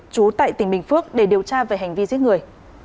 trú tại tỉnh bình phước để điều tra về hành vi giết người